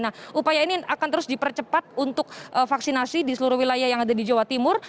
nah upaya ini akan terus dipercepat untuk vaksinasi di seluruh wilayah yang ada di jawa timur